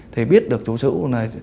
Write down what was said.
thì biết được chủ sữ này